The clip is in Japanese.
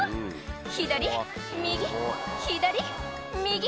「左右左右」